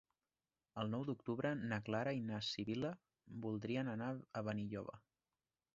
El nou d'octubre na Clara i na Sibil·la voldrien anar a Benilloba.